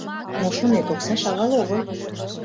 Мо шонет, окса шагал огыл...